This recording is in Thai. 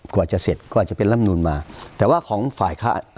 กว่าจะเสร็จก็อาจจะเป็นลำนูนมาแต่ว่าของฝ่ายค้า